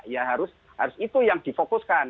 ya harus itu yang difokuskan